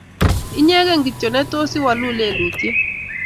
Inyegei kityo ne tos iwalu lelutyet